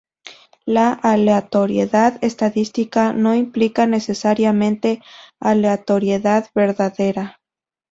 La aleatoriedad estadística no implica necesariamente aleatoriedad "verdadera".